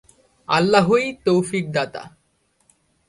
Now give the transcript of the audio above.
আল্লাহই তওফীক দাতা।